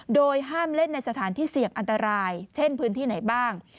โดยห้ามเล่นในสถานที่เสี่ยงอันตรายเช่นพื้นที่ไหนบ้าง